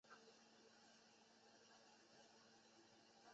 贵州贵阳府人。